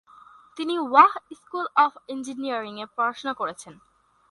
তিনি Wah school of ইঞ্জিনিয়ারিংয়ে পড়াশোনা করেছেন।